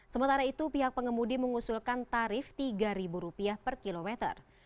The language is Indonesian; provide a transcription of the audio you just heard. sementara itu pihak pengemudi mengusulkan tarif rp tiga per kilometer